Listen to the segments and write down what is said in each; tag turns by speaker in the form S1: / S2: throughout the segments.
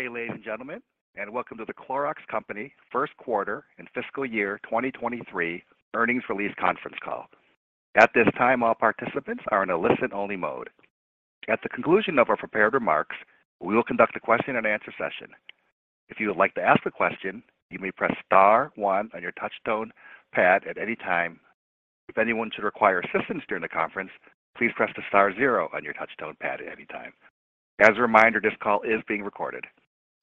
S1: Hey, ladies and gentlemen, and welcome to The Clorox Company first quarter and fiscal year 2023 earnings release conference call. At this time, all participants are in a listen-only mode. At the conclusion of our prepared remarks, we will conduct a question-and-answer session. If you would like to ask a question, you may press star one on your touch-tone pad at any time. If anyone should require assistance during the conference, please press the star zero on your touch-tone pad at any time. As a reminder, this call is being recorded.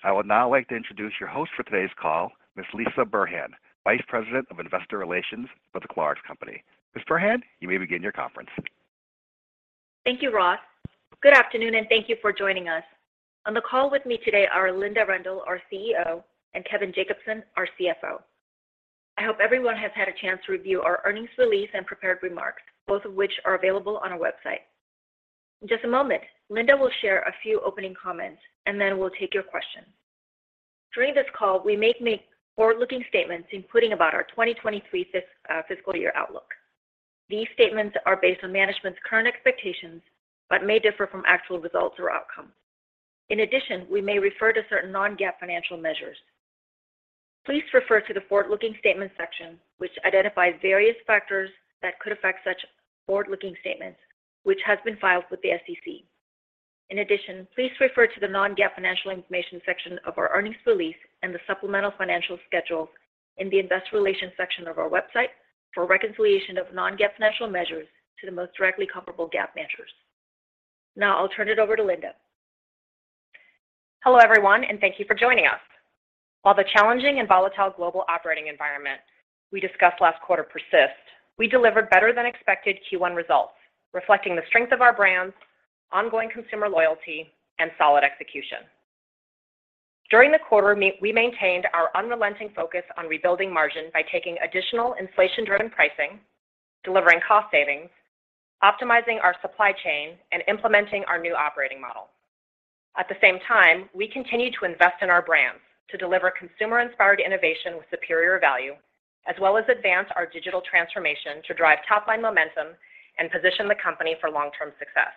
S1: I would now like to introduce your host for today's call, Ms. Lisah Burhan, Vice President of Investor Relations for The Clorox Company. Ms. Burhan, you may begin your conference.
S2: Thank you, Ross. Good afternoon, and thank you for joining us. On the call with me today are Linda Rendle, our CEO, and Kevin Jacobsen, our CFO. I hope everyone has had a chance to review our earnings release and prepared remarks, both of which are available on our website. In just a moment, Linda will share a few opening comments, and then we'll take your questions. During this call, we may make forward-looking statements, including about our 2023 fiscal year outlook. These statements are based on management's current expectations, but may differ from actual results or outcomes. In addition, we may refer to certain non-GAAP financial measures. Please refer to the Forward-Looking Statements section, which identifies various factors that could affect such forward-looking statements, which has been filed with the SEC. In addition, please refer to the non-GAAP Financial Information section of our earnings release and the supplemental financial schedules in the Investor Relations section of our website for a reconciliation of non-GAAP financial measures to the most directly comparable GAAP measures. Now I'll turn it over to Linda.
S3: Hello, everyone, and thank you for joining us. While the challenging and volatile global operating environment we discussed last quarter persists, we delivered better-than-expected Q1 results, reflecting the strength of our brands, ongoing consumer loyalty, and solid execution. During the quarter, we maintained our unrelenting focus on rebuilding margin by taking additional inflation-driven pricing, delivering cost savings, optimizing our supply chain, and implementing our new operating model. At the same time, we continued to invest in our brands to deliver consumer-inspired innovation with superior value as well as advance our digital transformation to drive top-line momentum and position the company for long-term success.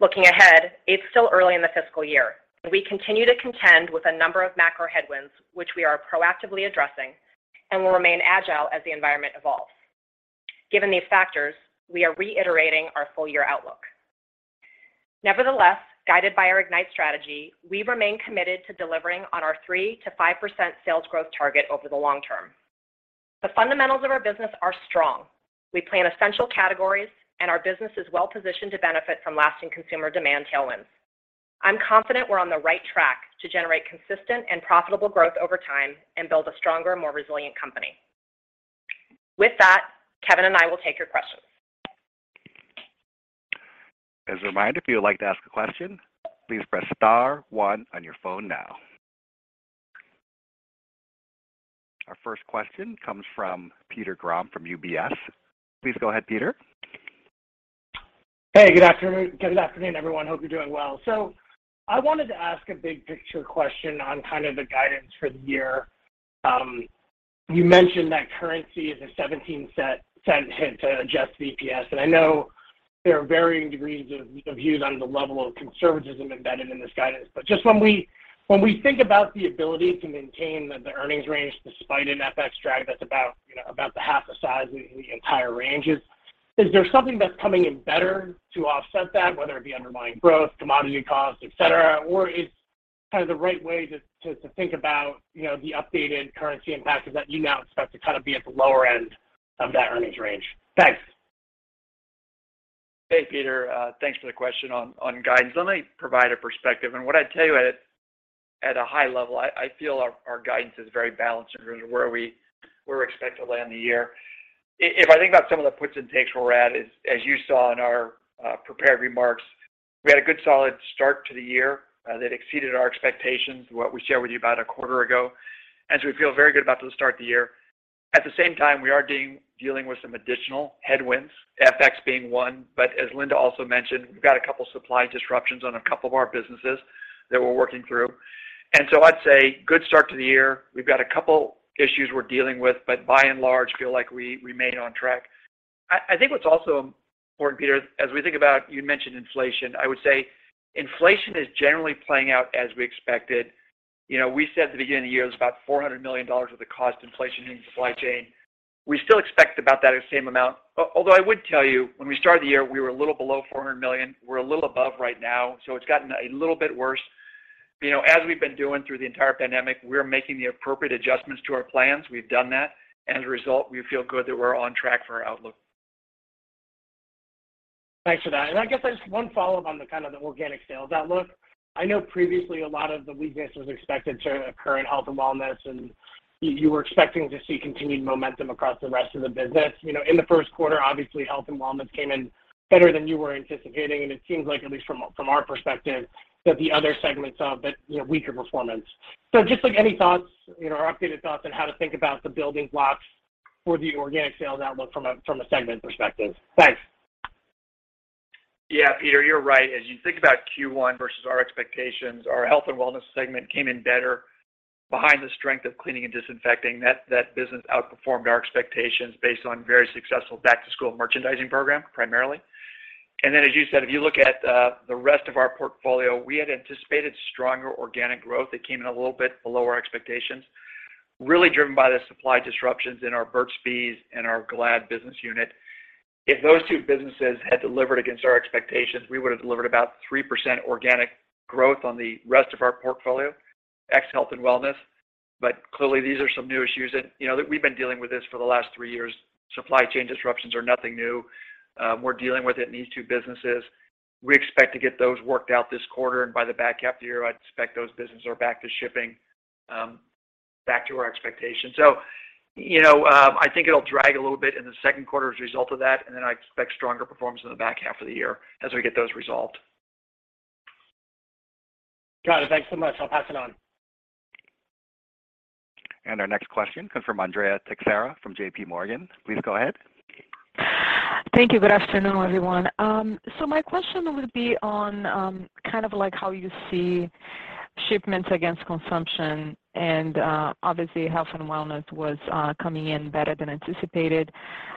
S3: Looking ahead, it's still early in the fiscal year, and we continue to contend with a number of macro headwinds, which we are proactively addressing and will remain agile as the environment evolves. Given these factors, we are reiterating our full-year outlook. Nevertheless, guided by our IGNITE strategy, we remain committed to delivering on our 3%-5% sales growth target over the long term. The fundamentals of our business are strong. We play in essential categories, and our business is well-positioned to benefit from lasting consumer demand tailwinds. I'm confident we're on the right track to generate consistent and profitable growth over time and build a stronger, more resilient company. With that, Kevin and I will take your questions.
S1: As a reminder, if you would like to ask a question, please press star one on your phone now. Our first question comes from Peter Grom from UBS. Please go ahead, Peter.
S4: Hey, good afternoon, good afternoon, everyone. Hope you're doing well. I wanted to ask a big-picture question on kind of the guidance for the year. You mentioned that currency is a $0.17 hit to adjusted EPS, and I know there are varying degrees of views on the level of conservatism embedded in this guidance. Just when we think about the ability to maintain the earnings range despite an FX drag that's about half the size of the entire range, is there something that's coming in better to offset that, whether it be underlying growth, commodity costs, et cetera? Or is kind of the right way to think about the updated currency impact that you now expect to kind of be at the lower end of that earnings range? Thanks.
S5: Hey, Peter, thanks for the question on guidance. Let me provide a perspective. What I'd tell you at a high level, I feel our guidance is very balanced in terms of where we expect to land the year. If I think about some of the puts and takes where we're at is, as you saw in our prepared remarks, we had a good, solid start to the year that exceeded our expectations, what we shared with you about a quarter ago, and so we feel very good about the start of the year. At the same time, we are dealing with some additional headwinds, FX being one. But as Linda also mentioned, we've got a couple supply disruptions on a couple of our businesses that we're working through. I'd say good start to the year. We've got a couple issues we're dealing with, but by and large, feel like we remain on track. I think what's also important, Peter, as we think about, you mentioned inflation, I would say inflation is generally playing out as we expected. You know, we said at the beginning of the year it was about $400 million worth of cost inflation in the supply chain. We still expect about that same amount. Although I would tell you, when we started the year, we were a little below $400 million. We're a little above right now, so it's gotten a little bit worse. You know, as we've been doing through the entire pandemic, we're making the appropriate adjustments to our plans. We've done that, and as a result, we feel good that we're on track for our outlook.
S4: Thanks for that. I guess there's one follow-up on the kind of the organic sales outlook. I know previously a lot of the weakness was expected to occur in health and wellness, and you were expecting to see continued momentum across the rest of the business. You know, in the first quarter, obviously, health and wellness came in better than you were anticipating, and it seems like, at least from our perspective, that the other segments saw a bit, you know, weaker performance. Just like, any thoughts, you know, or updated thoughts on how to think about the building blocks for the organic sales outlook from a segment perspective? Thanks.
S5: Yeah, Peter, you're right. As you think about Q1 versus our expectations, our health and wellness segment came in better, behind the strength of cleaning and disinfecting. That business outperformed our expectations based on very successful back-to-school merchandising program, primarily. As you said, if you look at the rest of our portfolio, we had anticipated stronger organic growth that came in a little bit below our expectations, really driven by the supply disruptions in our Burt's Bees and our Glad business unit. If those two businesses had delivered against our expectations, we would have delivered about 3% organic growth on the rest of our portfolio, ex health and wellness. Clearly, these are some new issues that we've been dealing with this for the last three years. Supply chain disruptions are nothing new. We're dealing with it in these two businesses. We expect to get those worked out this quarter, and by the back half of the year, I'd expect those businesses are back to shipping, back to our expectations. You know, I think it'll drag a little bit in the second quarter as a result of that, and then I expect stronger performance in the back half of the year as we get those resolved.
S4: Got it. Thanks so much. I'll pass it on.
S1: Our next question comes from Andrea Teixeira from JPMorgan. Please go ahead.
S6: Thank you. Good afternoon, everyone. My question would be on, kind of like how you see shipments against consumption. Obviously, health and wellness was coming in better than anticipated.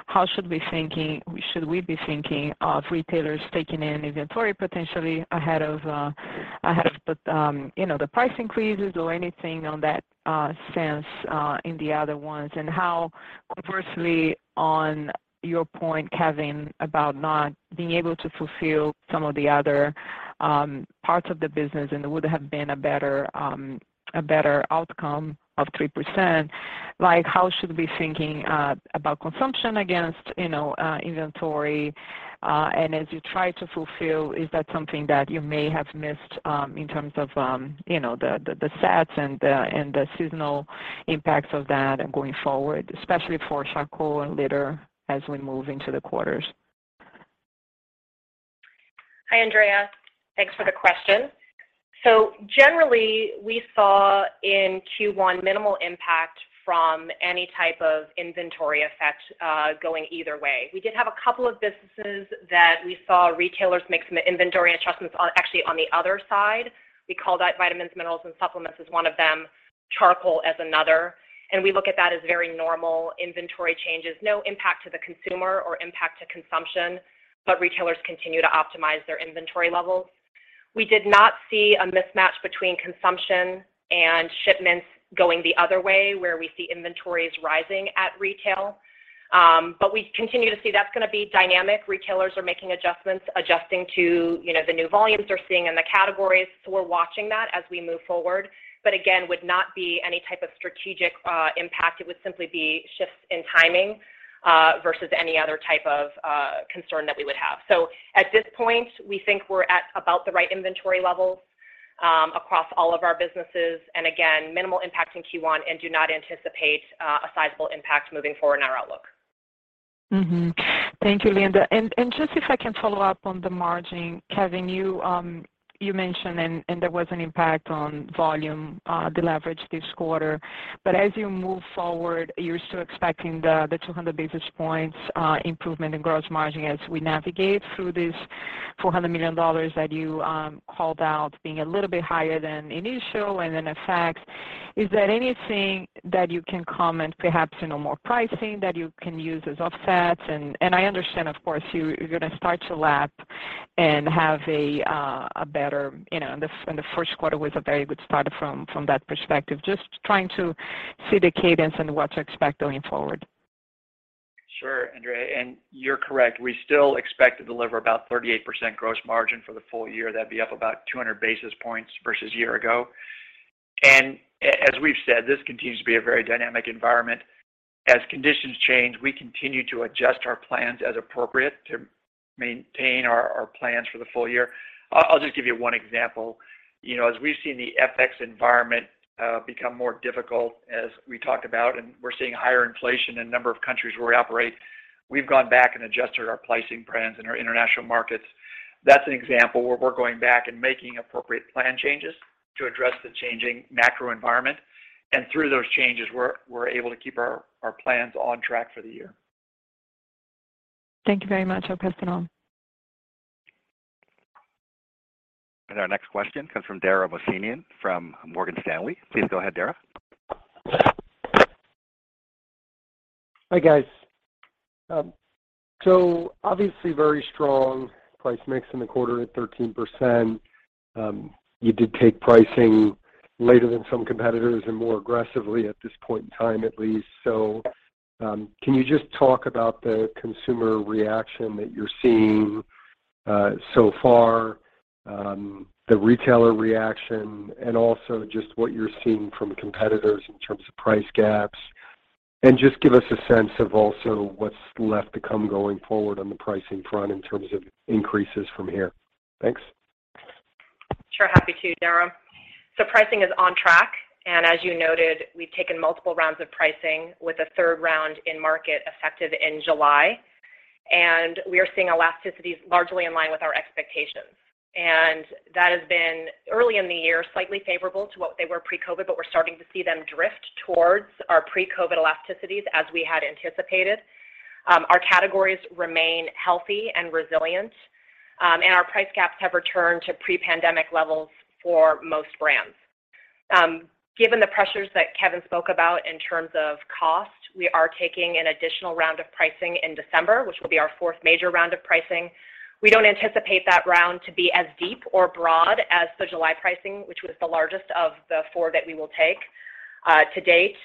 S6: How should we be thinking of retailers taking in inventory potentially ahead of the, you know, the price increases or anything on that sense in the other ones? How conversely on your point, Kevin, about not being able to fulfill some of the other parts of the business, and would have been a better outcome of 3%. Like, how should we be thinking about consumption against, you know, inventory? As you try to fulfill, is that something that you may have missed, in terms of, you know, the sets and the seasonal impacts of that going forward, especially for charcoal and litter as we move into the quarters?
S3: Hi, Andrea. Thanks for the question. Generally, we saw in Q1 minimal impact from any type of inventory effect, going either way. We did have a couple of businesses that we saw retailers make some inventory adjustments on, actually, on the other side. We call that vitamins, minerals, and supplements is one of them, charcoal as another. We look at that as very normal inventory changes, no impact to the consumer or impact to consumption, but retailers continue to optimize their inventory levels. We did not see a mismatch between consumption and shipments going the other way, where we see inventories rising at retail. We continue to see that's gonna be dynamic. Retailers are making adjustments, adjusting to, you know, the new volumes they're seeing in the categories, so we're watching that as we move forward. Again, would not be any type of strategic impact. It would simply be shifts in timing versus any other type of concern that we would have. At this point, we think we're at about the right inventory levels across all of our businesses, and again, minimal impact in Q1, and do not anticipate a sizable impact moving forward in our outlook.
S6: Thank you, Linda. Just if I can follow up on the margin, Kevin, you mentioned there was an impact on volume deleverage this quarter. As you move forward, you're still expecting the 200 basis points improvement in gross margin as we navigate through this $400 million that you called out being a little bit higher than initial, and in effect. Is there anything that you can comment perhaps, you know, more pricing that you can use as offsets? I understand, of course, you're gonna start to lap and have a better, you know, in the first quarter was a very good start from that perspective. Just trying to see the cadence and what to expect going forward.
S5: Sure, Andrea, you're correct. We still expect to deliver about 38% gross margin for the full year. That'd be up about 200 basis points versus year ago. As we've said, this continues to be a very dynamic environment. As conditions change, we continue to adjust our plans as appropriate to maintain our plans for the full year. I'll just give you one example. You know, as we've seen the FX environment become more difficult as we talked about, and we're seeing higher inflation in a number of countries where we operate, we've gone back and adjusted our pricing plans in our international markets. That's an example where we're going back and making appropriate plan changes to address the changing macro environment. Through those changes, we're able to keep our plans on track for the year.
S6: Thank you very much. I'll pass it on.
S1: Our next question comes from Dara Mohsenian from Morgan Stanley. Please go ahead, Dara.
S7: Hi, guys. Obviously very strong price mix in the quarter at 13%. You did take pricing later than some competitors and more aggressively at this point in time, at least. Can you just talk about the consumer reaction that you're seeing so far, the retailer reaction, and also just what you're seeing from competitors in terms of price gaps? Just give us a sense of also what's left to come going forward on the pricing front in terms of increases from here. Thanks.
S3: Sure. Happy to, Dara. Pricing is on track, and as you noted, we've taken multiple rounds of pricing with a third round in market effective in July. We are seeing elasticities largely in line with our expectations. That has been early in the year, slightly favorable to what they were pre-COVID, but we're starting to see them drift towards our pre-COVID elasticities as we had anticipated. Our categories remain healthy and resilient, and our price gaps have returned to pre-pandemic levels for most brands. Given the pressures that Kevin spoke about in terms of cost, we are taking an additional round of pricing in December, which will be our fourth major round of pricing. We don't anticipate that round to be as deep or broad as the July pricing, which was the largest of the four that we will take, to date.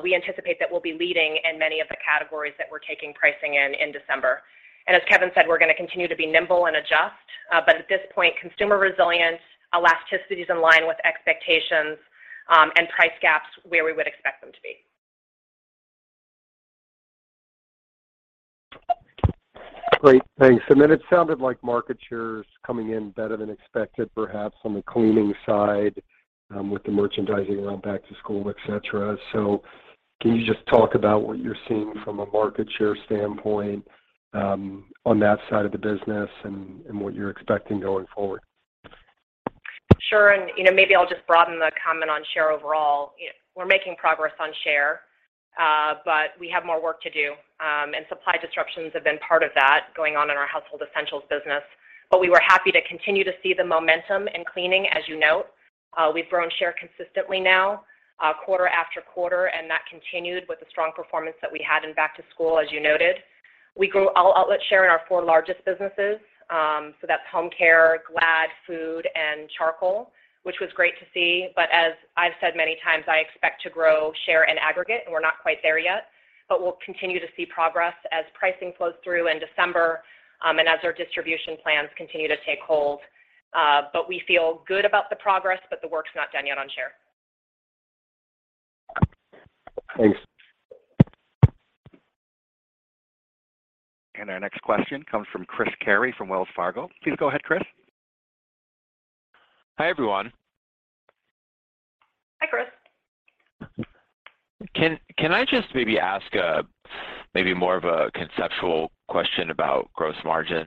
S3: We anticipate that we'll be leading in many of the categories that we're taking pricing in December. As Kevin said, we're gonna continue to be nimble and adjust. At this point, consumer resilience, elasticity is in line with expectations, and price gaps where we would expect them to be.
S7: Great. Thanks. It sounded like market share is coming in better than expected, perhaps on the cleaning side, with the merchandising around back-to-school, et cetera. Can you just talk about what you're seeing from a market share standpoint, on that side of the business and what you're expecting going forward?
S3: Sure. You know, maybe I'll just broaden the comment on share overall. You know, we're making progress on share, but we have more work to do. Supply disruptions have been part of that going on in our household essentials business. We were happy to continue to see the momentum in cleaning as you note. We've grown share consistently now, quarter after quarter, and that continued with the strong performance that we had in back-to-school, as you noted. We grew all outlet share in our four largest businesses. That's home care, Glad food and charcoal, which was great to see. As I've said many times, I expect to grow share in aggregate, and we're not quite there yet. We'll continue to see progress as pricing flows through in December, and as our distribution plans continue to take hold. We feel good about the progress, but the work's not done yet on share.
S7: Thanks.
S1: Our next question comes from Chris Carey from Wells Fargo. Please go ahead, Chris.
S8: Hi, everyone.
S3: Hi, Chris.
S8: Can I just maybe ask, maybe more of a conceptual question about gross margins?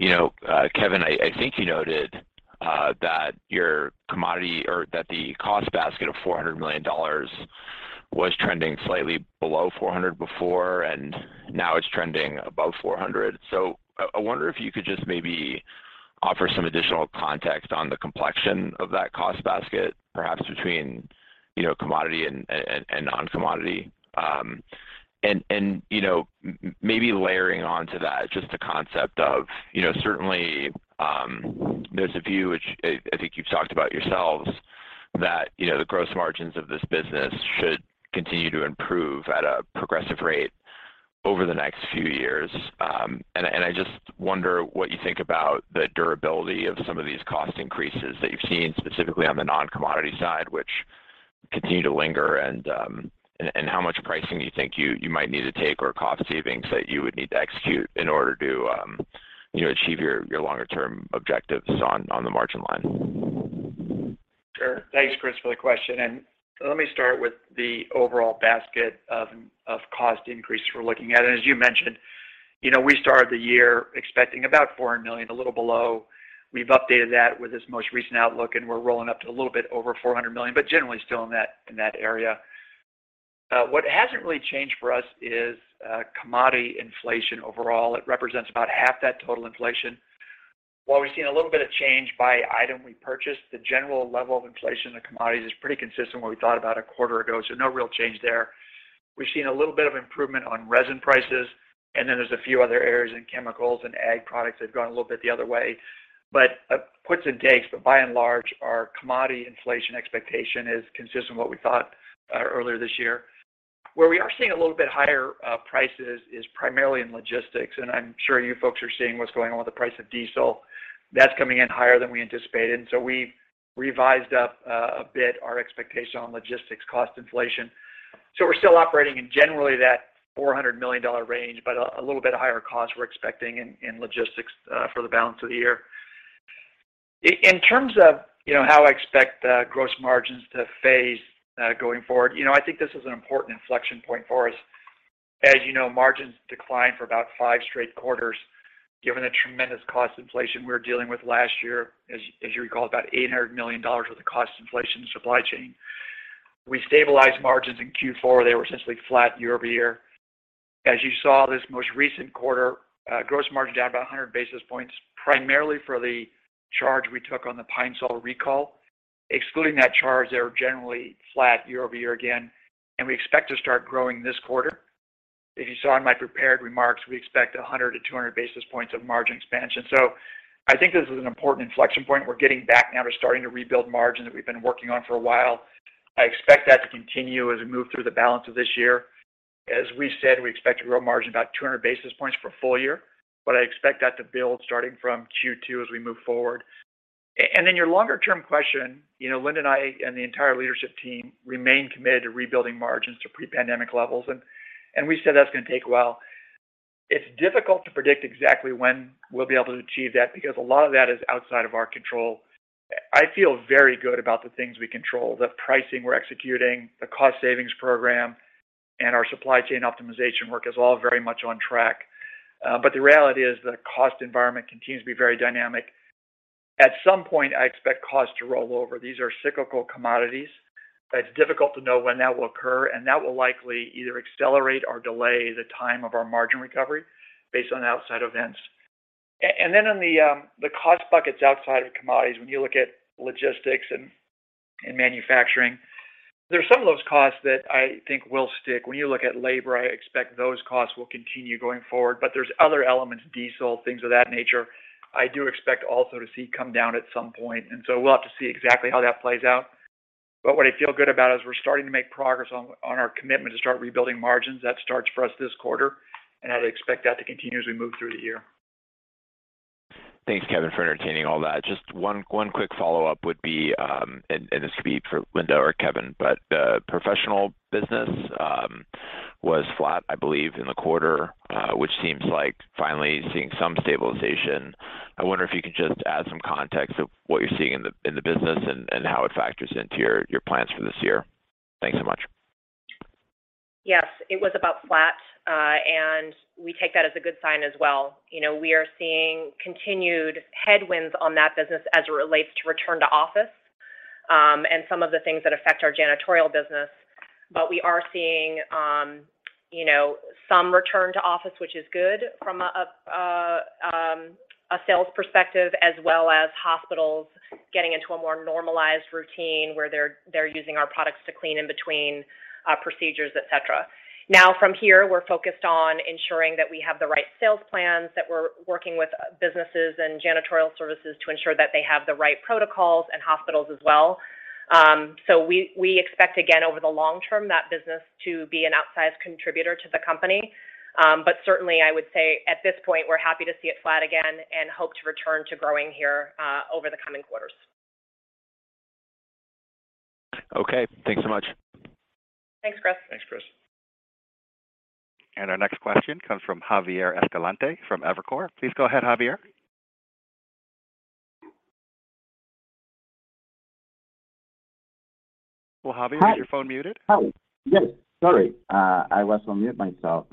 S8: You know, Kevin, I think you noted that your commodity or that the cost basket of $400 million was trending slightly below $400 million before, and now it's trending above $400 million. I wonder if you could just maybe offer some additional context on the complexion of that cost basket, perhaps between, you know, commodity and non-commodity. And you know, maybe layering on to that, just a concept of, you know, certainly, there's a view which I think you've talked about yourselves, that, you know, the gross margins of this business should continue to improve at a progressive rate over the next few years. I just wonder what you think about the durability of some of these cost increases that you've seen, specifically on the non-commodity side, which continue to linger, and how much pricing you think you might need to take, or cost savings that you would need to execute in order to, you know, achieve your longer term objectives on the margin line?
S5: Sure. Thanks, Chris, for the question. Let me start with the overall basket of cost increase we're looking at. As you mentioned, you know, we started the year expecting about $400 million, a little below. We've updated that with this most recent outlook, and we're rolling up to a little bit over $400 million, but generally still in that area. What hasn't really changed for us is commodity inflation overall. It represents about half that total inflation. While we've seen a little bit of change by item we purchased, the general level of inflation in the commodities is pretty consistent with what we thought about a quarter ago, so no real change there. We've seen a little bit of improvement on resin prices, and then there's a few other areas in chemicals and ag products that have gone a little bit the other way. Give and take, but by and large, our commodity inflation expectation is consistent with what we thought earlier this year. Where we are seeing a little bit higher prices is primarily in logistics, and I'm sure you folks are seeing what's going on with the price of diesel. That's coming in higher than we anticipated. We revised up a bit our expectation on logistics cost inflation. We're still operating in generally that $400 million range, but a little bit higher cost we're expecting in logistics for the balance of the year. In terms of, you know, how I expect the gross margins to phase going forward, you know, I think this is an important inflection point for us. As you know, margins declined for about five straight quarters, given the tremendous cost inflation we were dealing with last year. As you recall, about $800 million worth of cost inflation in supply chain. We stabilized margins in Q4. They were essentially flat year-over-year. As you saw this most recent quarter, gross margin down about 100 basis points, primarily for the charge we took on the Pine-Sol recall. Excluding that charge, they were generally flat year-over-year again, and we expect to start growing this quarter. If you saw in my prepared remarks, we expect 100-200 basis points of margin expansion. I think this is an important inflection point. We're getting back now to starting to rebuild margin that we've been working on for a while. I expect that to continue as we move through the balance of this year. As we said, we expect to grow margin about 200 basis points for full year, but I expect that to build starting from Q2 as we move forward. And then your longer term question, you know, Linda and I, and the entire leadership team remain committed to rebuilding margins to pre-pandemic levels. And we said that's gonna take a while. It's difficult to predict exactly when we'll be able to achieve that because a lot of that is outside of our control. I feel very good about the things we control. The pricing we're executing, the cost savings program, and our supply chain optimization work is all very much on track. The reality is the cost environment continues to be very dynamic. At some point, I expect costs to roll over. These are cyclical commodities. It's difficult to know when that will occur, and that will likely either accelerate or delay the time of our margin recovery based on outside events. On the cost buckets outside of commodities, when you look at logistics and manufacturing, there are some of those costs that I think will stick. When you look at labor, I expect those costs will continue going forward. There's other elements, diesel, things of that nature, I do expect also to see come down at some point. We'll have to see exactly how that plays out. What I feel good about is we're starting to make progress on our commitment to start rebuilding margins. That starts for us this quarter, and I'd expect that to continue as we move through the year.
S8: Thanks, Kevin, for entertaining all that. Just one quick follow-up would be, and this will be for Linda or Kevin, but professional business was flat, I believe, in the quarter, which seems like finally seeing some stabilization. I wonder if you could just add some context of what you're seeing in the business and how it factors into your plans for this year. Thanks so much.
S3: Yes, it was about flat, and we take that as a good sign as well. You know, we are seeing continued headwinds on that business as it relates to return to office, and some of the things that affect our janitorial business. We are seeing, you know, some return to office, which is good from a sales perspective, as well as hospitals getting into a more normalized routine where they're using our products to clean in between procedures, et cetera. Now from here, we're focused on ensuring that we have the right sales plans, that we're working with businesses and janitorial services to ensure that they have the right protocols and hospitals as well. We expect again, over the long term, that business to be an outsized contributor to the company. Certainly, I would say at this point, we're happy to see it flat again and hope to return to growing here over the coming quarters.
S8: Okay. Thanks so much.
S3: Thanks, Chris.
S5: Thanks, Chris.
S1: Our next question comes from Javier Escalante from Evercore. Please go ahead, Javier. Well, Javier.
S9: Hi.
S1: Is your phone muted?
S9: Hi. Yes. Sorry. I was on mute myself.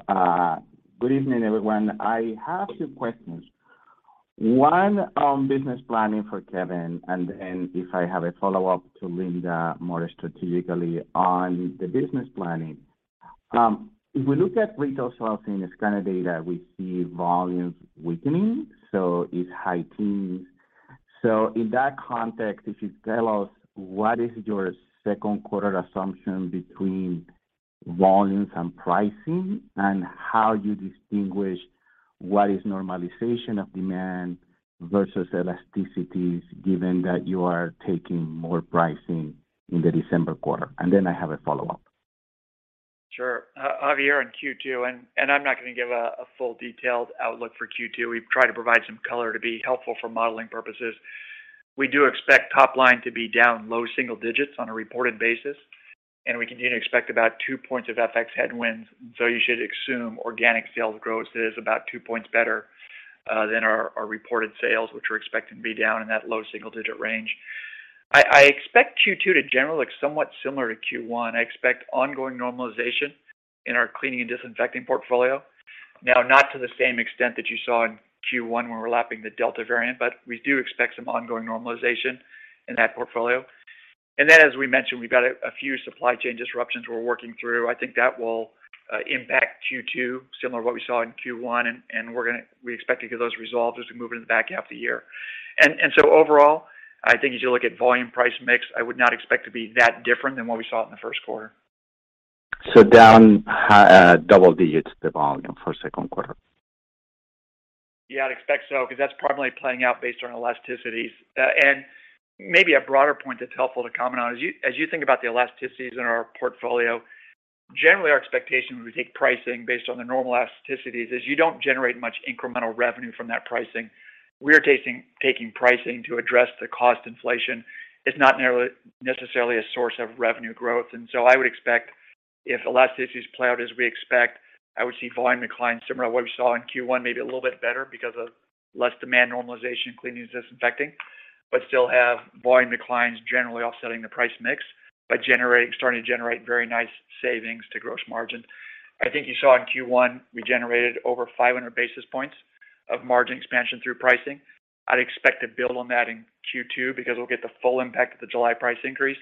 S9: Good evening, everyone. I have two questions. One on business planning for Kevin, and then if I have a follow-up to Linda more strategically on the business planning. If we look at retail sales in the scan data, we see volumes weakening, so it's high teens. In that context, if you tell us what is your second quarter assumption between volumes and pricing, and how you distinguish what is normalization of demand versus elasticities, given that you are taking more pricing in the December quarter. Then I have a follow-up.
S5: Sure. Javier, on Q2, I'm not gonna give a full detailed outlook for Q2. We've tried to provide some color to be helpful for modeling purposes. We do expect top line to be down low single digits on a reported basis, and we continue to expect about 2 points of FX headwinds, so you should assume organic sales growth is about 2 points better than our reported sales, which we're expecting to be down in that low single-digit range. I expect Q2 to generally look somewhat similar to Q1. I expect ongoing normalization in our cleaning and disinfecting portfolio. Now, not to the same extent that you saw in Q1 when we're lapping the Delta variant, but we do expect some ongoing normalization in that portfolio. As we mentioned, we've got a few supply chain disruptions we're working through. I think that will impact Q2, similar to what we saw in Q1, and we expect to get those resolved as we move into the back half of the year. Overall, I think as you look at volume price mix, I would not expect to be that different than what we saw in the first quarter.
S9: So, down double digits, the volume for second quarter?
S5: Yeah, I'd expect so, 'cause that's primarily playing out based on elasticities. Maybe a broader point that's helpful to comment on, as you think about the elasticities in our portfolio, generally, our expectation when we take pricing based on the normal elasticities is you don't generate much incremental revenue from that pricing. We're taking pricing to address the cost inflation. It's not necessarily a source of revenue growth. I would expect if elasticities play out as we expect, I would see volume declines similar to what we saw in Q1, maybe a little bit better because of less demand normalization in cleaning and disinfecting, but still have volume declines generally offsetting the price mix by starting to generate very nice savings to gross margin. I think you saw in Q1, we generated over 500 basis points of margin expansion through pricing. I'd expect to build on that in Q2 because we'll get the full impact of the July price increase,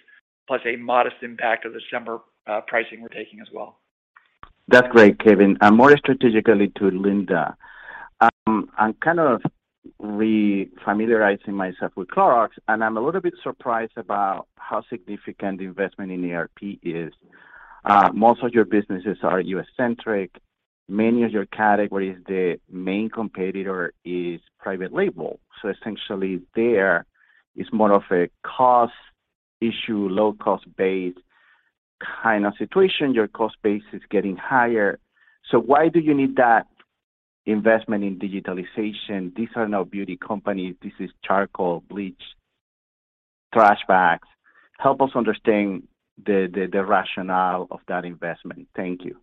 S5: plus a modest impact of the December, pricing we're taking as well.
S9: That's great, Kevin. More strategically to Linda. I'm kind of refamiliarizing myself with Clorox, and I'm a little bit surprised about how significant the investment in ERP is. Most of your businesses are U.S.-centric. Many of your categories, the main competitor is private label. So, essentially there is more of a cost issue, low-cost base kind of situation. Your cost base is getting higher. So why do you need that investment in digitalization? These are no beauty companies. This is charcoal, bleach, trash bags. Help us understand the rationale of that investment. Thank you.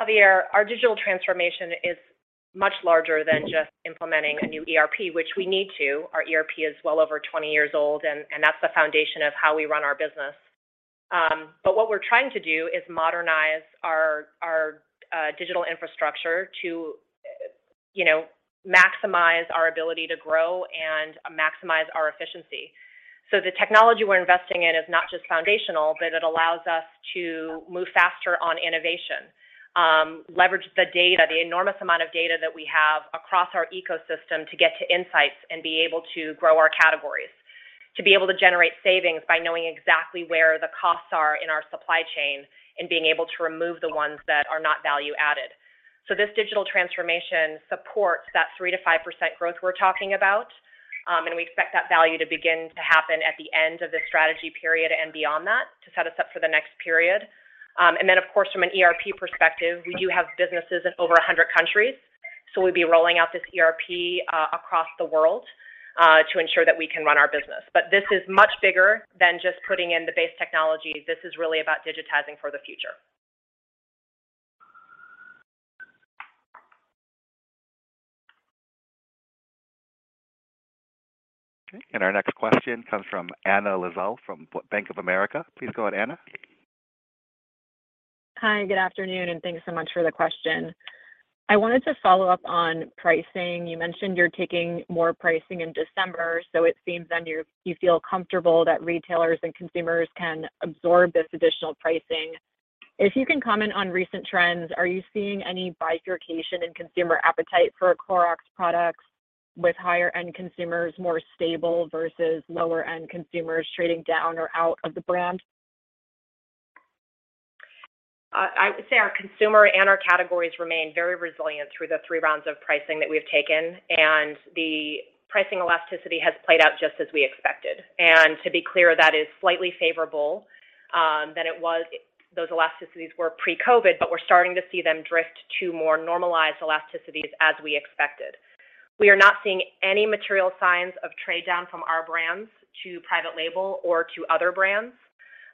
S3: Javier, our digital transformation is much larger than just implementing a new ERP, which we need to. Our ERP is well over 20 years old, and that's the foundation of how we run our business. But what we're trying to do is modernize our digital infrastructure to. You know, maximize our ability to grow and maximize our efficiency. The technology we're investing in is not just foundational, but it allows us to move faster on innovation, leverage the data, the enormous amount of data that we have across our ecosystem to get to insights and be able to grow our categories, to be able to generate savings by knowing exactly where the costs are in our supply chain and being able to remove the ones that are not value-added. This digital transformation supports that 3%-5% growth we're talking about, and we expect that value to begin to happen at the end of the strategy period and beyond that to set us up for the next period. Of course, from an ERP perspective, we do have businesses in over 100 countries, so we'd be rolling out this ERP across the world to ensure that we can run our business. This is much bigger than just putting in the base technology. This is really about digitizing for the future.
S1: Okay. Our next question comes from Anna Lizzul from Bank of America. Please go ahead, Anna.
S10: Hi, good afternoon, and thanks so much for the question. I wanted to follow up on pricing. You mentioned you're taking more pricing in December, so it seems then you're, you feel comfortable that retailers and consumers can absorb this additional pricing. If you can comment on recent trends, are you seeing any bifurcation in consumer appetite for Clorox products with higher-end consumers more stable versus lower-end consumers trading down or out of the brand?
S3: I would say our consumer and our categories remain very resilient through the three rounds of pricing that we've taken, and the pricing elasticity has played out just as we expected. To be clear, that is slightly favorable than it was. Those elasticities were pre-COVID, but we're starting to see them drift to more normalized elasticities as we expected. We are not seeing any material signs of trade-down from our brands to private label or to other brands.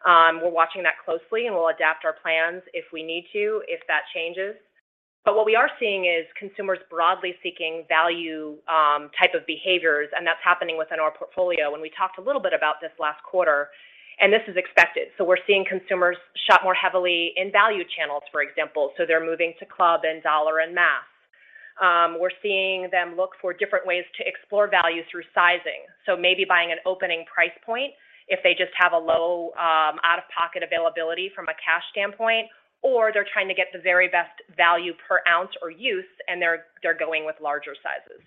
S3: We're watching that closely, and we'll adapt our plans if we need to, if that changes. But what we are seeing is consumers broadly seeking value-type of behaviors, and that's happening within our portfolio. We talked a little bit about this last quarter, and this is expected. We're seeing consumers shop more heavily in value channels, for example, they're moving to club, and dollar, and mass. We're seeing them look for different ways to explore value through sizing, so maybe buying an opening price point if they just have a low out-of-pocket availability from a cash standpoint, or they're trying to get the very best value per ounce or use, and they're going with larger sizes.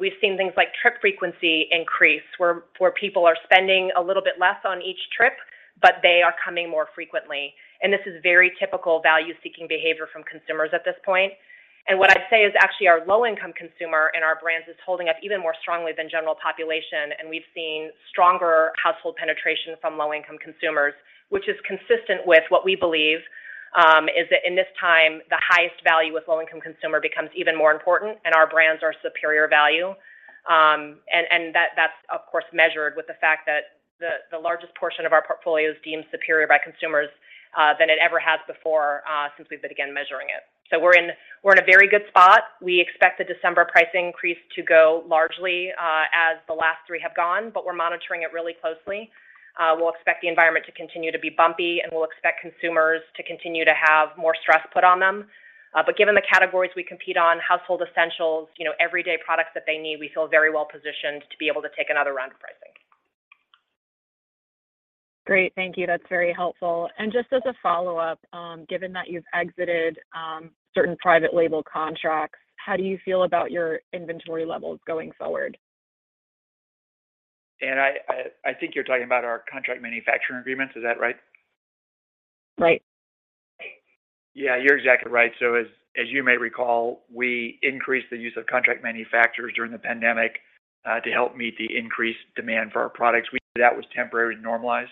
S3: We've seen things like trip frequency increase, where people are spending a little bit less on each trip, but they are coming more frequently. This is very typical value-seeking behavior from consumers at this point. What I'd say is actually our low-income consumer and our brands is holding up even more strongly than general population, and we've seen stronger household penetration from low-income consumers, which is consistent with what we believe is that in this time, the highest value with low-income consumer becomes even more important, and our brands are superior value. That's of course measured with the fact that the largest portion of our portfolio is deemed superior by consumers than it ever has before, since we've been, again, measuring it. We're in a very good spot. We expect the December price increase to go largely as the last three have gone, but we're monitoring it really closely. We'll expect the environment to continue to be bumpy, and we'll expect consumers to continue to have more stress put on them. Given the categories we compete on, household essentials, you know, everyday products that they need, we feel very well-positioned to be able to take another round of pricing.
S10: Great. Thank you. That's very helpful. Just as a follow-up, given that you've exited certain private label contracts, how do you feel about your inventory levels going forward?
S5: Anna, I think you're talking about our contract manufacturing agreements. Is that right?
S10: Right.
S5: Yeah, you're exactly right. As you may recall, we increased the use of contract manufacturers during the pandemic to help meet the increased demand for our products. We knew that was temporary to normalize.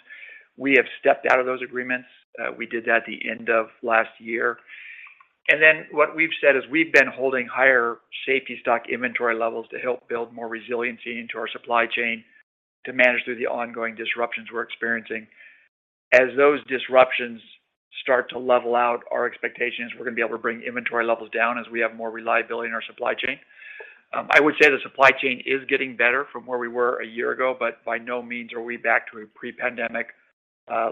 S5: We have stepped out of those agreements. We did that at the end of last year. What we've said is we've been holding higher safety stock inventory levels to help build more resiliency into our supply chain to manage through the ongoing disruptions we're experiencing. As those disruptions start to level out, our expectation is we're gonna be able to bring inventory levels down as we have more reliability in our supply chain. I would say the supply chain is getting better from where we were a year ago, but by no means are we back to a pre-pandemic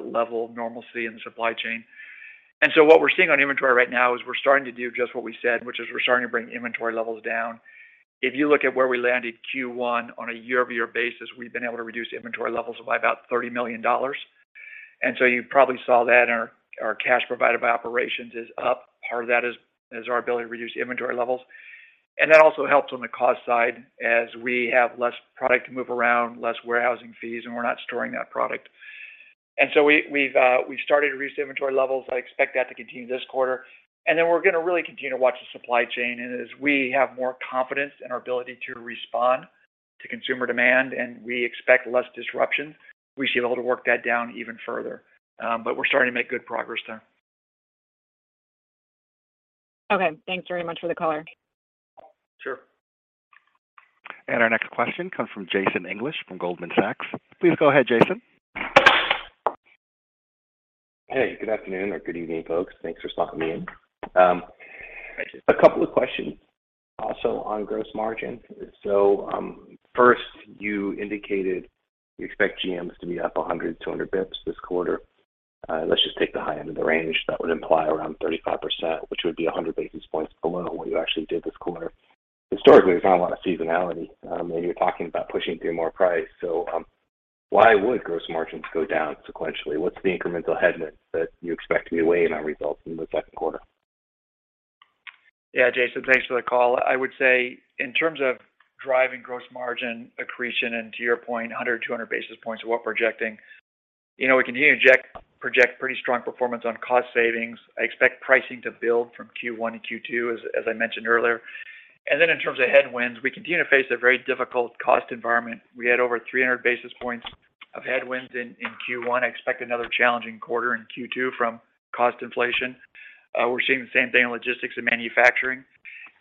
S5: level of normalcy in the supply chain. What we're seeing on inventory right now is we're starting to do just what we said, which is we're starting to bring inventory levels down. If you look at where we landed Q1 on a year-over-year basis, we've been able to reduce inventory levels by about $30 million. You probably saw that in our cash provided by operations is up. Part of that is our ability to reduce inventory levels. That also helps on the cost side as we have less product to move around, less warehousing fees, and we're not storing that product. We've started to reduce inventory levels. I expect that to continue this quarter. We're gonna really continue to watch the supply chain. As we have more confidence in our ability to respond to consumer demand and we expect less disruption, we should be able to work that down even further. We're starting to make good progress there.
S10: Okay. Thanks very much for the color.
S5: Sure.
S1: Our next question comes from Jason English from Goldman Sachs. Please go ahead, Jason.
S11: Hey, good afternoon or good evening, folks. Thanks for talking me in.
S5: Hi, Jason.
S11: A couple of questions also on gross margin. First, you indicated you expect GMs to be up 100-200 BPS this quarter. Let's just take the high end of the range. That would imply around 35%, which would be 100 basis points below what you actually did this quarter. Historically, there's not a lot of seasonality, and you're talking about pushing through more price. Why would gross margins go down sequentially? What's the incremental headwind that you expect to be weighing on results in the second quarter?
S5: Yeah. Jason, thanks for the call. I would say in terms of driving gross margin accretion, and to your point, 100-200 basis points of what we're projecting. You know, we continue to project pretty strong performance on cost savings. I expect pricing to build from Q1 to Q2, as I mentioned earlier. In terms of headwinds, we continue to face a very difficult cost environment. We had over 300 basis points of headwinds in Q1. I expect another challenging quarter in Q2 from cost inflation. We're seeing the same thing in logistics and manufacturing.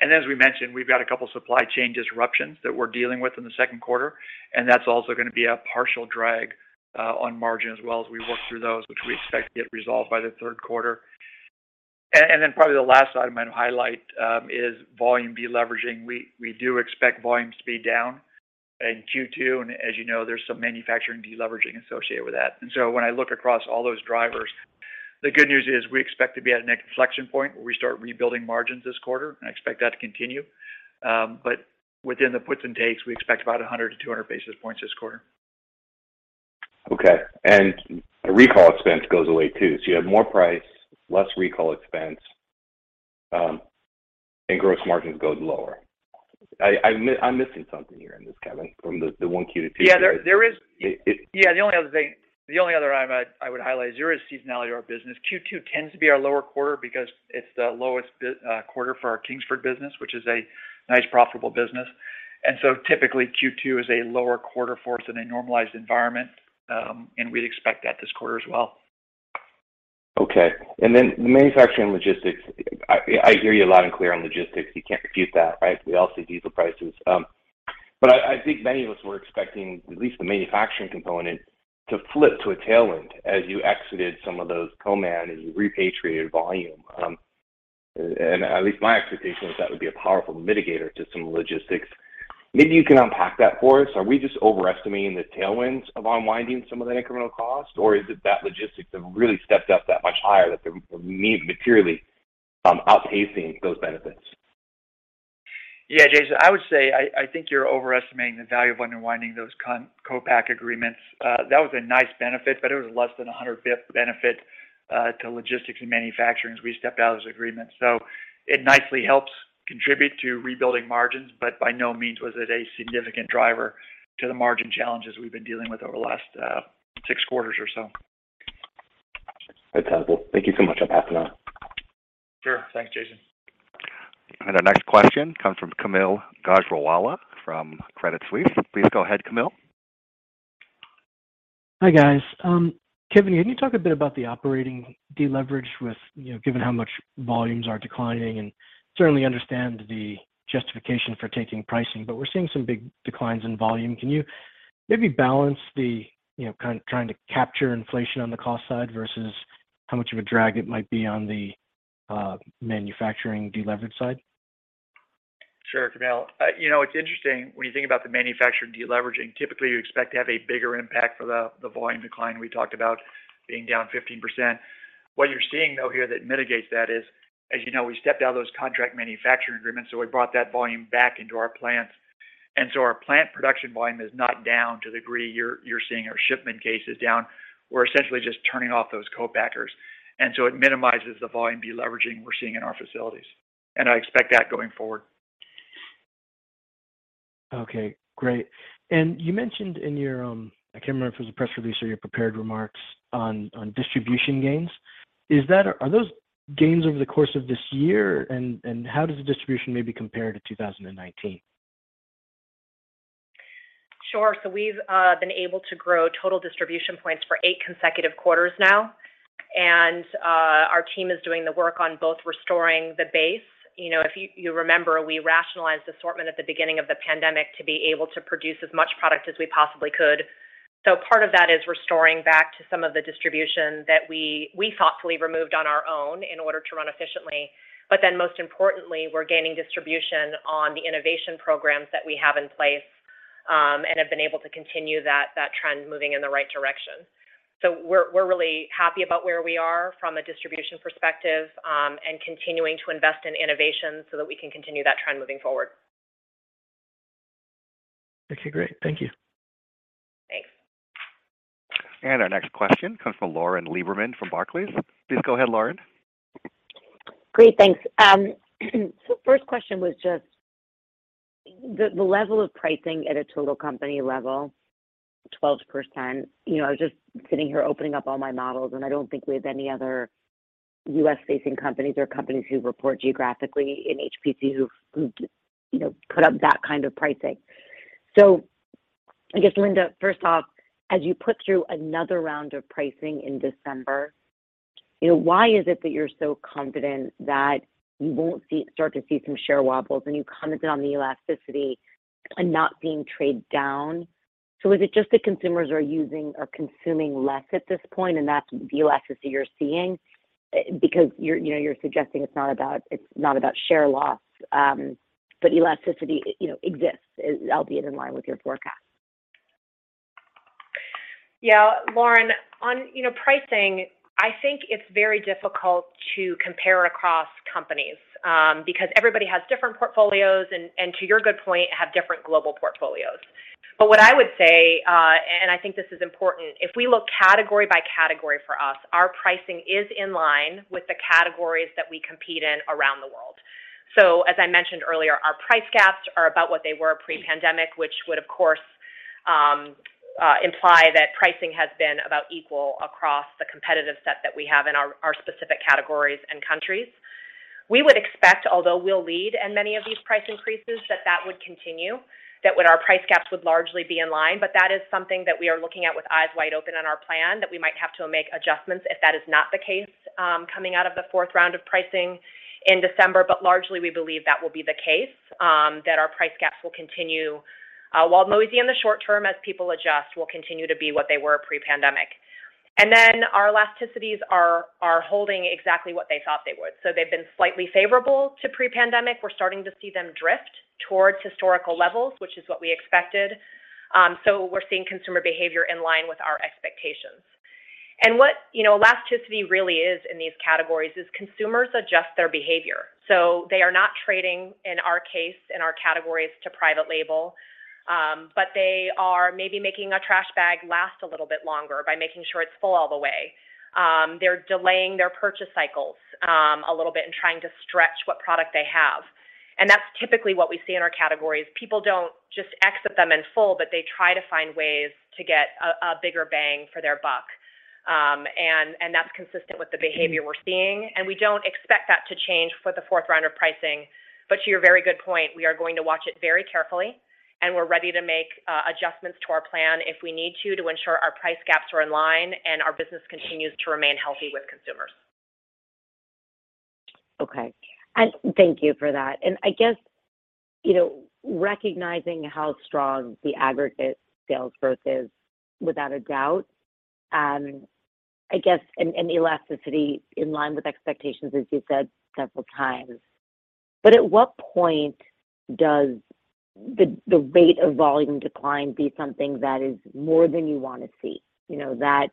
S5: As we mentioned, we've got a couple supply chain disruptions that we're dealing with in the second quarter, and that's also gonna be a partial drag on margin as well as we work through those, which we expect to get resolved by the third quarter. And then probably the last item I'd highlight is volume deleveraging. We do expect volumes to be down in Q2, and as you know, there's some manufacturing deleveraging associated with that. When I look across all those drivers, the good news is we expect to be at an inflection point where we start rebuilding margins this quarter, and I expect that to continue. But within the puts and takes, we expect about 100-200 basis points this quarter.
S11: Okay. The recall expense goes away too. You have more price, less recall expense, and gross margins goes lower. I'm missing something here in this, Kevin, from the Q1 to Q2.
S5: Yeah. There is.
S11: It, it-
S5: Yeah. The only other item I would highlight is there is seasonality to our business. Q2 tends to be our lower quarter because it's the lowest quarter for our Kingsford business, which is a nice profitable business. Typically, Q2 is a lower quarter for us in a normalized environment, and we'd expect that this quarter as well.
S11: Okay. The manufacturing and logistics, I hear you loud and clear on logistics. You can't refute that, right? We all see diesel prices. I think many of us were expecting at least the manufacturing component to flip to a tailwind as you exited some of those co-man and you repatriated volume. At least my expectation was that would be a powerful mitigator to some logistics. Maybe you can unpack that for us. Are we just overestimating the tailwinds of unwinding some of the incremental cost, or is it that logistics have really stepped up that much higher that they're materially outpacing those benefits?
S5: Yeah. Jason, I would say I think you're overestimating the value of unwinding those co-pack agreements. That was a nice benefit, but it was less than 100 basis points benefit to logistics and manufacturing as we stepped out of those agreements. It nicely helps contribute to rebuilding margins, but by no means was it a significant driver to the margin challenges we've been dealing with over the last six quarters or so.
S11: That's helpful. Thank you so much. I'll pass it on.
S5: Sure. Thanks, Jason.
S1: Our next question comes from Kaumil Gajrawala from Credit Suisse. Please go ahead, Kaumil.
S12: Hi, guys. Kevin, can you talk a bit about the operating deleverage with, you know, given how much volumes are declining? Certainly understand the justification for taking pricing, but we're seeing some big declines in volume. Can you maybe balance the, you know, trying to capture inflation on the cost side versus how much of a drag it might be on the manufacturing deleverage side?
S5: Sure, Kaumil. You know, it's interesting when you think about the manufacturer deleveraging. Typically, you expect to have a bigger impact for the volume decline we talked about being down 15%. What you're seeing, though, here that mitigates that is, as you know, we stepped out of those contract manufacturing agreements, so we brought that volume back into our plants. Our plant production volume is not down to the degree you're seeing our shipment cases down. We're essentially just turning off those co-packers. It minimizes the volume deleveraging we're seeing in our facilities, and I expect that going forward.
S12: Okay. Great. You mentioned in your I can't remember if it was a press release or your prepared remarks on distribution gains. Are those gains over the course of this year, and how does the distribution maybe compare to 2019?
S3: Sure. We've been able to grow total distribution points for eight consecutive quarters now. Our team is doing the work on both restoring the base. You know, if you remember, we rationalized assortment at the beginning of the pandemic to be able to produce as much product as we possibly could. Part of that is restoring back to some of the distribution that we thoughtfully removed on our own in order to run efficiently. Most importantly, we're gaining distribution on the innovation programs that we have in place and have been able to continue that trend, moving in the right direction. We're really happy about where we are from a distribution perspective and continuing to invest in innovation so that we can continue that trend moving forward.
S12: Okay. Great. Thank you.
S3: Thanks.
S1: Our next question comes from Lauren Lieberman from Barclays. Please go ahead, Lauren.
S13: Great. Thanks. First question was just the level of pricing at a total company level, 12%, you know, I was just sitting here opening up all my models, and I don't think we have any other U.S.-facing companies or companies who report geographically in HPC who've you know put up that kind of pricing. I guess, Linda, first off, as you put through another round of pricing in December, you know, why is it that you're so confident that you won't see some share wobbles? You commented on the elasticity and not being trade down. Is it just that consumers are using or consuming less at this point, and that's the elasticity you're seeing? Because you're, you know, you're suggesting it's not about share loss, but elasticity, you know, exists, albeit in line with your forecast.
S3: Yeah, Lauren, on you know pricing, I think it's very difficult to compare across companies, because everybody has different portfolios and to your good point, have different global portfolios. What I would say and I think this is important, if we look category by category for us, our pricing is in line with the categories that we compete in around the world. As I mentioned earlier, our price gaps are about what they were pre-pandemic, which would, of course, imply that pricing has been about equal across the competitive set that we have in our specific categories and countries. We would expect, although we'll lead in many of these price increases, that would continue. That our price gaps would largely be in line. That is something that we are looking at with eyes wide open on our plan, that we might have to make adjustments if that is not the case, coming out of the fourth round of pricing in December. Largely, we believe that will be the case, that our price gaps will continue, while noisy in the short term as people adjust, will continue to be what they were pre-pandemic. Our elasticities are holding exactly what they thought they would. They've been slightly favorable to pre-pandemic. We're starting to see them drift towards historical levels, which is what we expected. We're seeing consumer behavior in line with our expectations. What, you know, elasticity really is in these categories, is consumers adjust their behavior. They are not trading, in our case, in our categories, to private label, but they are maybe making a trash bag last a little bit longer by making sure it's full all the way. They're delaying their purchase cycles a little bit and trying to stretch what product they have. That's typically what we see in our categories. People don't just exit them in full, but they try to find ways to get a bigger bang for their buck. That's consistent with the behavior we're seeing. We don't expect that to change for the fourth round of pricing. To your very good point, we are going to watch it very carefully, and we're ready to make adjustments to our plan if we need to ensure our price gaps are in line and our business continues to remain healthy with consumers.
S13: Okay. Thank you for that. I guess, you know, recognizing how strong the aggregate sales versus without a doubt, I guess, and elasticity in line with expectations, as you said several times. At what point does the rate of volume decline be something that is more than you wanna see? You know that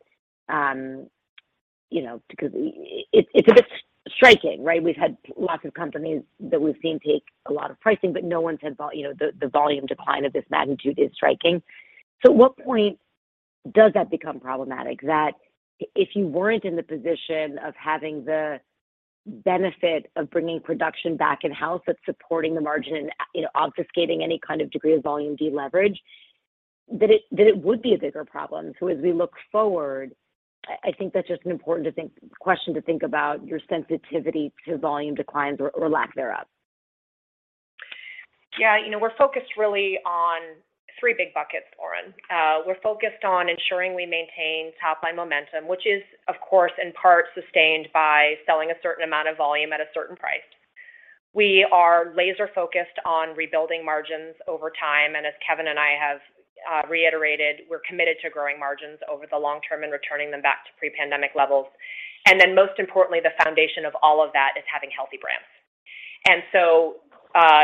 S13: you know, because it's a bit striking, right? We've had lots of companies that we've seen take a lot of pricing, but no one's had the volume decline of this magnitude is striking. At what point does that become problematic that if you weren't in the position of having the benefit of bringing production back in-house, that's supporting the margin and, you know, obfuscating any kind of degree of volume deleverage, that it would be a bigger problem. As we look forward, I think that's just an important question to think about your sensitivity to volume declines or lack thereof.
S3: Yeah. You know, we're focused really on three big buckets, Lauren. We're focused on ensuring we maintain top-line momentum, which is, of course, in part sustained by selling a certain amount of volume at a certain price. We are laser-focused on rebuilding margins over time, and as Kevin and I have reiterated, we're committed to growing margins over the long term and returning them back to pre-pandemic levels. Most importantly, the foundation of all of that is having healthy brands.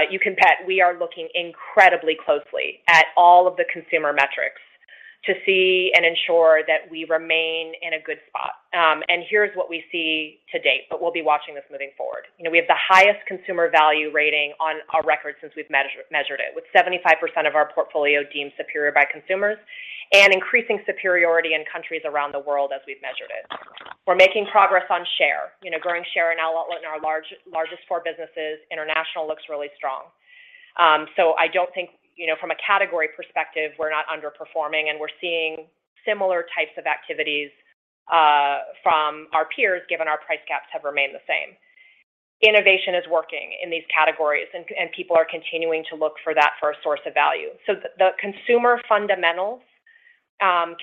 S3: You can bet we are looking incredibly closely at all of the consumer metrics to see and ensure that we remain in a good spot. Here's what we see to date, but we'll be watching this moving forward. You know, we have the highest consumer value rating on our record since we've measured it, with 75% of our portfolio deemed superior by consumers and increasing superiority in countries around the world as we've measured it. We're making progress on share, you know, growing share in our largest four businesses. International looks really strong. I don't think, you know, from a category perspective, we're not underperforming, and we're seeing similar types of activities from our peers, given our price gaps have remained the same. Innovation is working in these categories and people are continuing to look for that for a source of value. The consumer fundamentals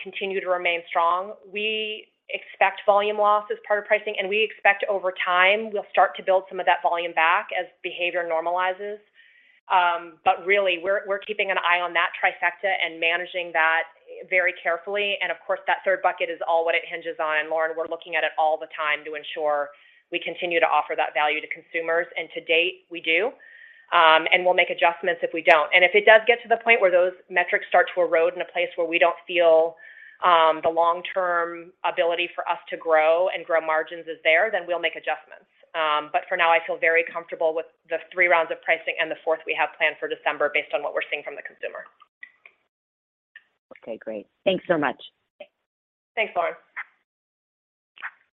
S3: continue to remain strong. We expect volume loss as part of pricing, and we expect over time we'll start to build some of that volume back as behavior normalizes. Really, we're keeping an eye on that trifecta and managing that very carefully. Of course, that third bucket is all what it hinges on. Lauren, we're looking at it all the time to ensure we continue to offer that value to consumers. To date, we do. We'll make adjustments if we don't. If it does get to the point where those metrics start to erode in a place where we don't feel the long-term ability for us to grow and grow margins is there, then we'll make adjustments. For now, I feel very comfortable with the three rounds of pricing and the fourth we have planned for December based on what we're seeing from the consumer.
S13: Okay, great. Thanks so much.
S3: Thanks, Lauren.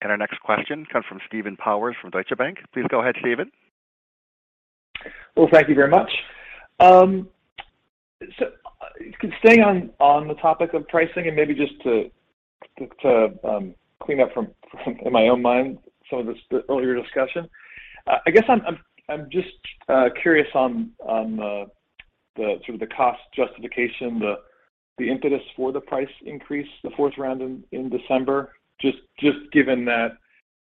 S1: Our next question comes from Stephen Powers from Deutsche Bank. Please go ahead, Stephen.
S14: Well, thank you very much. So staying on the topic of pricing and maybe just to clean up from in my own mind some of this, the earlier discussion, I guess I'm just curious on the sort of cost justification, the impetus for the price increase, the fourth round in December, just given that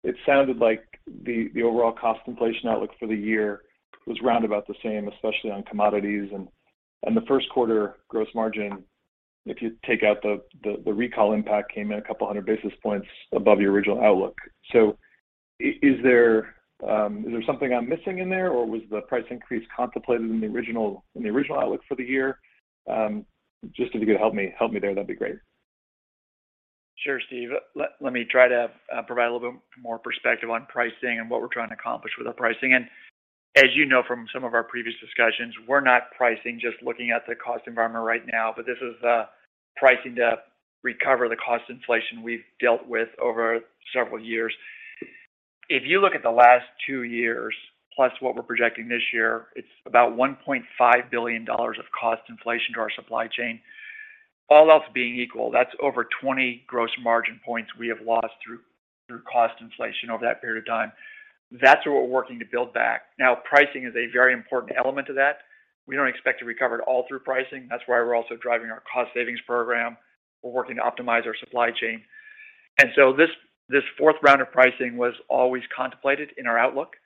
S14: it sounded like the overall cost inflation outlook for the year was round about the same, especially on commodities. The first quarter gross margin, if you take out the recall impact, came in a couple hundred basis points above your original outlook. Is there something I'm missing in there, or was the price increase contemplated in the original outlook for the year? Just if you could help me there, that'd be great.
S5: Sure, Steve. Let me try to provide a little bit more perspective on pricing and what we're trying to accomplish with our pricing. As you know from some of our previous discussions, we're not pricing just looking at the cost environment right now, but this is pricing to recover the cost inflation we've dealt with over several years. If you look at the last two years plus what we're projecting this year, it's about $1.5 billion of cost inflation to our supply chain. All else being equal, that's over 20 gross margin points we have lost through cost inflation over that period of time. That's what we're working to build back. Now, pricing is a very important element to that. We don't expect to recover it all through pricing. That's why we're also driving our cost savings program. We're working to optimize our supply chain. This fourth round of pricing was always contemplated in our outlook,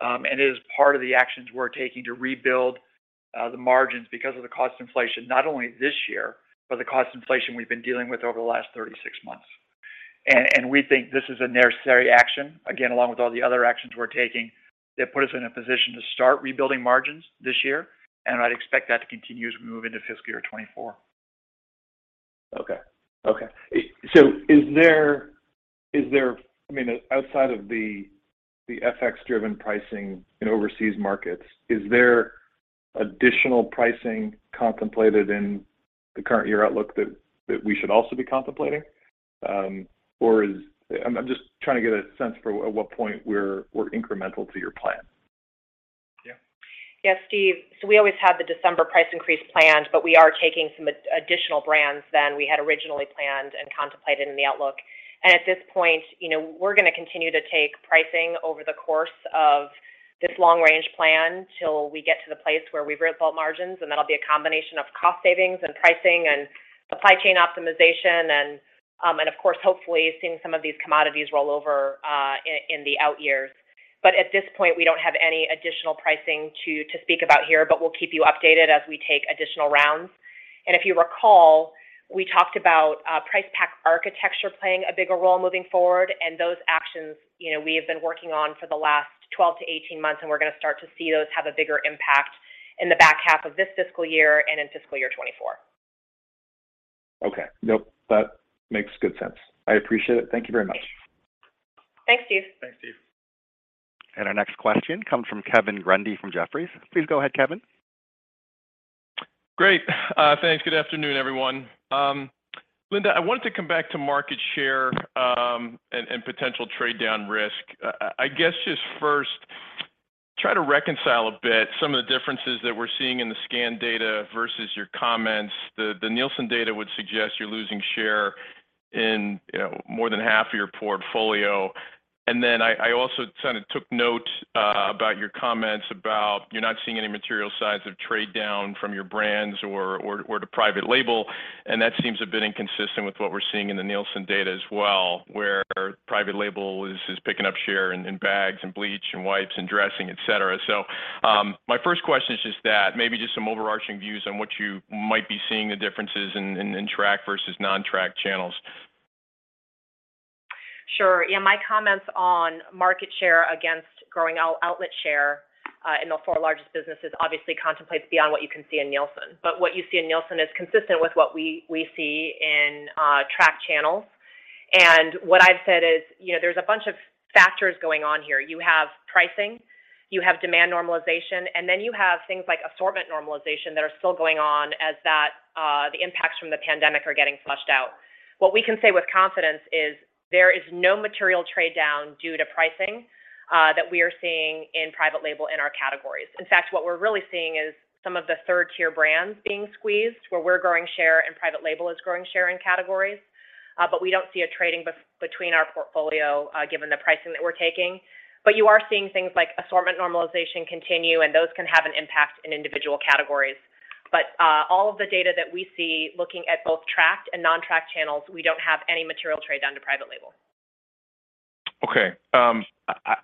S5: and it is part of the actions we're taking to rebuild the margins because of the cost inflation, not only this year, but the cost inflation we've been dealing with over the last 36 months. We think this is a necessary action, again, along with all the other actions we're taking that put us in a position to start rebuilding margins this year, and I'd expect that to continue as we move into fiscal year 2024.
S14: Is there, I mean, outside of the FX-driven pricing in overseas markets, is there additional pricing contemplated in the current year outlook that we should also be contemplating? I'm just trying to get a sense for at what point we're incremental to your plan.
S5: Yeah.
S3: Yeah, Steve. We always had the December price increase planned, but we are taking some additional brands more than we had originally planned and contemplated in the outlook. At this point, you know, we're gonna continue to take pricing over the course of this long-range plan till we get to the place where we've rebuilt margins, and that'll be a combination of cost savings and pricing and supply chain optimization and, of course, hopefully, seeing some of these commodities roll over in the out years. At this point, we don't have any additional pricing to speak about here, but we'll keep you updated as we take additional rounds. If you recall, we talked about price pack architecture playing a bigger role moving forward, and those actions, you know, we have been working on for the last 12-18 months, and we're gonna start to see those have a bigger impact in the back half of this fiscal year and in fiscal year 2024.
S14: Okay. Nope. That makes good sense. I appreciate it. Thank you very much.
S3: Thanks, Steve.
S5: Thanks, Stephen.
S1: Our next question comes from Kevin Grundy from Jefferies. Please go ahead, Kevin.
S15: Great. Thanks. Good afternoon, everyone. Linda, I wanted to come back to market share and potential trade down risk. I guess just first try to reconcile a bit some of the differences that we're seeing in the scan data versus your comments. The Nielsen data would suggest you're losing share in, you know, more than half of your portfolio. I also kinda took note about your comments about you're not seeing any material signs of trade down from your brands or to private label, and that seems a bit inconsistent with what we're seeing in the Nielsen data as well, where private label is picking up share in bags and bleach and wipes and dressing, et cetera. My first question is just that, maybe just some overarching views on what you might be seeing the differences in track versus non-track channels.
S3: Sure. Yeah, my comments on market share against growing outlet share in the four largest businesses obviously contemplates beyond what you can see in Nielsen, but what you see in Nielsen is consistent with what we see in track channels. What I've said is, you know, there's a bunch of factors going on here. You have pricing, you have demand normalization, and then you have things like assortment normalization that are still going on as that the impacts from the pandemic are getting flushed out. What we can say with confidence is there is no material trade down due to pricing that we are seeing in private label in our categories. In fact, what we're really seeing is some of the third-tier brands being squeezed, where we're growing share and private label is growing share in categories. We don't see a trading between our portfolio, given the pricing that we're taking. You are seeing things like assortment normalization continue, and those can have an impact in individual categories. All of the data that we see looking at both tracked and non-tracked channels, we don't have any material trade down to private label.
S15: Okay.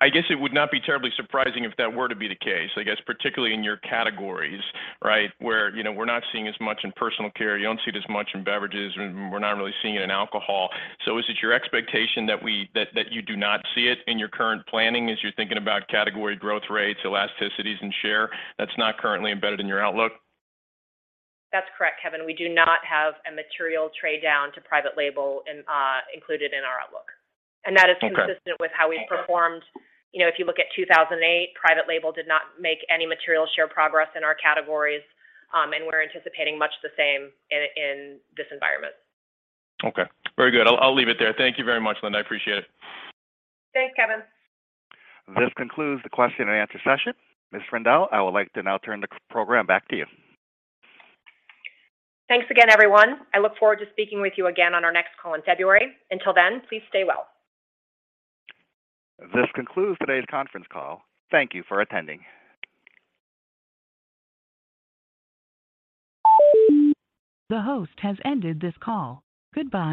S15: I guess it would not be terribly surprising if that were to be the case. I guess, particularly in your categories, right? Where, you know, we're not seeing as much in personal care, you don't see it as much in beverages, and we're not really seeing it in alcohol. Is it your expectation that you do not see it in your current planning as you're thinking about category growth rates, elasticities, and share that's not currently embedded in your outlook?
S3: That's correct, Kevin. We do not have a material trade down to private label included in our outlook.
S15: Okay.
S3: That is consistent with how we've performed. You know, if you look at 2008, private label did not make any material share progress in our categories, and we're anticipating much the same in this environment.
S15: Okay. Very good. I'll leave it there. Thank you very much, Linda. I appreciate it.
S3: Thanks, Kevin.
S1: This concludes the question-and-answer session. Ms. Rendle, I would like to now turn the call back to you.
S3: Thanks again, everyone. I look forward to speaking with you again on our next call in February. Until then, please stay well.
S1: This concludes today's conference call. Thank you for attending. The host has ended this call. Goodbye.